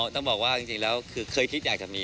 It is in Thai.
ต้องบอกว่าจริงแล้วคือเคยคิดอยากจะมี